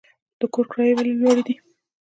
د کور کرایې ولې لوړې دي؟